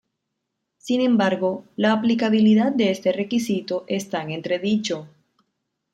Sin embargo, la aplicabilidad de este requisito está en entredicho.